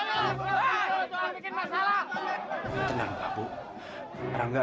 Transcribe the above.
kembali lo tuhan yang kamu curi rangga